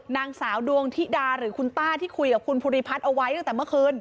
นางสาวดวงธิดาหรือคุณต้าที่คุยกับคุณภูริพัฒน์เอาไว้ตั้งแต่เมื่อคืน